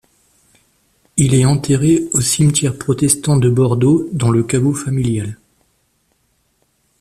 Il est enterré au cimetière protestant de Bordeaux dans le caveau familial.